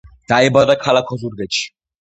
დაიბადა ქალაქ ოზურგეთში.